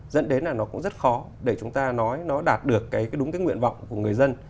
dẫn đến là nó cũng rất khó để chúng ta nói nó đạt được cái đúng cái nguyện vọng của người dân